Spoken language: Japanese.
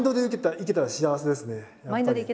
いけたら幸せですよ